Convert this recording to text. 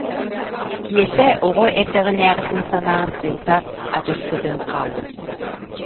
Киэсэ оҕо эрдэҕинээҕитин санаан уута адьас кө- төн хаалла